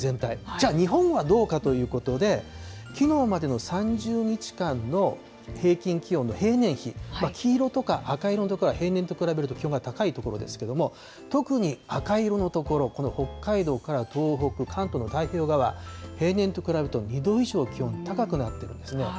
じゃあ、日本はどうかということで、きのうまでの３０日間の平均気温の平年比、黄色とか赤色の所は平年と比べると気温が高い所ですけれども、特に赤色の所、この北海道から東北、関東の太平洋側、平年と比べると２度以上気温高くなっているんですね。